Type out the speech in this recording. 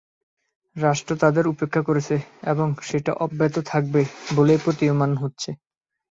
রাষ্ট্র তাদের উপেক্ষা করেছে এবং সেটা অব্যাহত থাকবে বলেই প্রতীয়মান হচ্ছে।